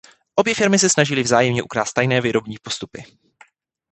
Obě firmy se snažily vzájemně ukrást tajné výrobní postupy.